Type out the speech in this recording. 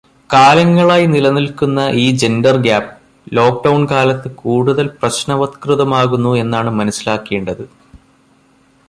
കാലങ്ങളായി നിലനിൽക്കുന്ന ഈ 'ജൻഡർ ഗ്യാപ്' ലോക്ക്ഡൗൺ കാലത്ത് കൂടുതൽ പ്രശ്നവത്കൃതമാവുന്നു എന്നാണ് മനസ്സിലാക്കേണ്ടത്.